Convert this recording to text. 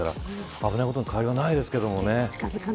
危ないことに変わりはないですけどね。